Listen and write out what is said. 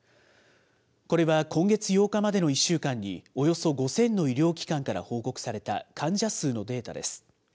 これは今月８日までの１週間に、およそ５０００の医療機関から報告された患者数のデータです。